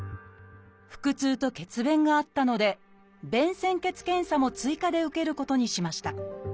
腹痛と血便があったので「便潜血検査」も追加で受けることにしました。